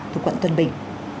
thuộc quận tân bình